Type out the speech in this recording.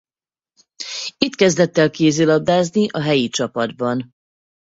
Itt kezdett el kézilabdázni a helyi csapatban.